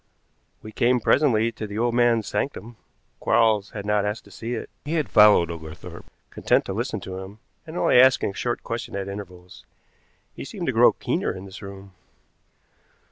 We came presently to the old man's sanctum. Quarles had not asked to see it. He had followed Oglethorpe, content to listen to him, and only asking a short question at intervals. He seemed to grow keener in this room.